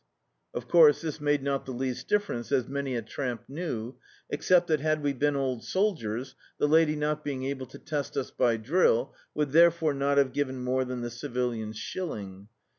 Of course, this made not the least dif ference, as many a tramp knew, except that had we been old soldiers the lady not being able to test us by drill, would therefore not have ^ven more than the civilian's shilling.